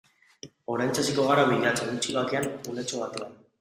Oraintxe hasiko gara bilatzen, utzi bakean unetxo batean.